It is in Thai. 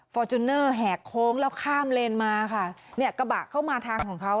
จูเนอร์แหกโค้งแล้วข้ามเลนมาค่ะเนี่ยกระบะเข้ามาทางของเขา